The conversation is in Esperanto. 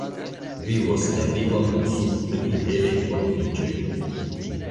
Vivos la vivon sub pli helaj kondiĉoj.